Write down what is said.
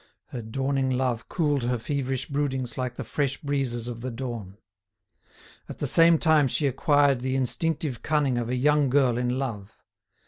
Her dawning love cooled her feverish broodings like the fresh breezes of the dawn. At the same time she acquired the instinctive cunning of a young girl in love.